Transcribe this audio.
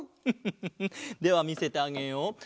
フフフフではみせてあげよう。